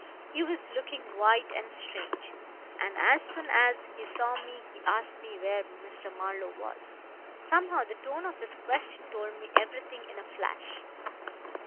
He was looking white and strange, and as soon as he saw me he asked me where Mr. Marlowe was. Somehow the tone of his question told me everything in a flash.